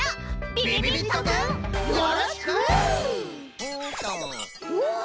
びびびっとくんよろしく！うわ！